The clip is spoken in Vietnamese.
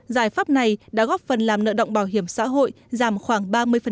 giải pháp này đã góp phần làm nợ động bảo hiểm xã hội giảm khoảng ba mươi